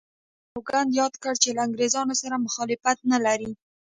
امیر سوګند یاد کړ چې له انګریزانو سره مخالفت نه لري.